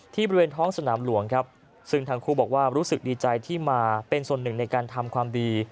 บริเวณท้องสนามหลวงครับซึ่งทั้งคู่บอกว่ารู้สึกดีใจที่มาเป็นส่วนหนึ่งในการทำความดี